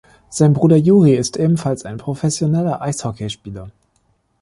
Sein Bruder Juri ist ebenfalls ein professioneller Eishockeyspieler.